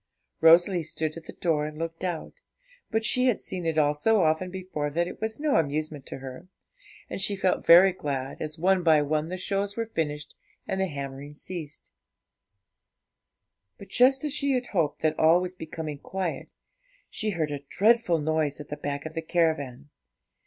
Rosalie stood at the door and looked out; but she had seen it all so often before that it was no amusement to her, and she felt very glad, as, one by one, the shows were finished and the hammering ceased. But, just as she hoped that all was becoming quiet, she heard a dreadful noise at the back of the caravan.